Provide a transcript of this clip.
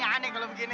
ane kalau begini